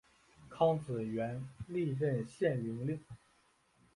康子元历任献陵令。